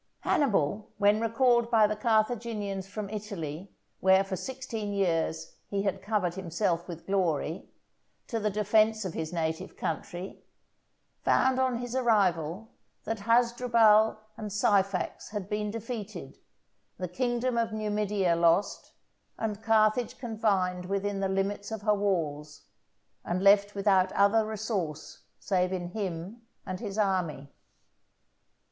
Hannibal, when recalled by the Carthaginians from Italy, where for sixteen years he had covered himself with glory, to the defence of his native country, found on his arrival that Hasdrubal and Syphax had been defeated, the kingdom of Numidia lost, and Carthage confined within the limits of her walls, and left without other resource save in him and his army.